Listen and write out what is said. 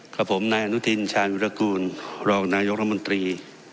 กับผมนายอนุทินชาญวิรากูลรองนายกรมนตรี